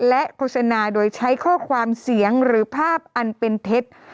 และโฆษณาโดยใช้ข้อความเสียงหรือภาพอันเป็นเท็จ